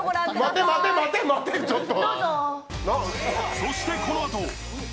待て待て待て、ちょっと！